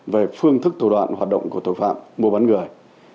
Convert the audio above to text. về phương thức thủ đoạn hoạt động của tội phạm mua bán người